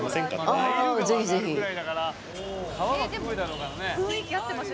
えでも雰囲気合ってますよ